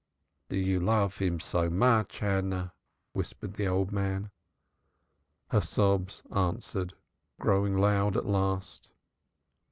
"Do you love him so much, Hannah?" whispered the old man. Her sobs answered, growing loud at last.